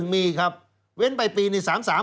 ๓๑มีเว้นไปปี๓๓มีอีกแล้วครับ